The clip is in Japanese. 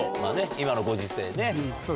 今のご時世ね。